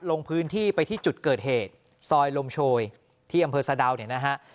ลงพื้นที่ไปที่จุดเกิดเหตุซอยลมโชยที่อำเภอสะดาวเนี่ยนะฮะ